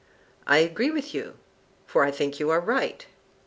I agree with you, for I think you right.